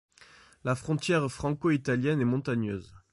La frontière franco-italienne est montagneuse.